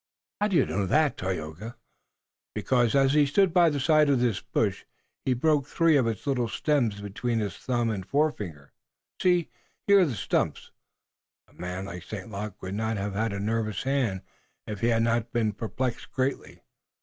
"How do you know that, Tayoga?" "Because, as he stood by the side of this bush, he broke three of its little stems between his thumb and forefinger. See, here are the stumps. A man like St. Luc would not have had a nervous hand if he had not been perplexed greatly."